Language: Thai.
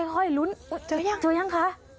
เฮ้ยเจอยังค่ะ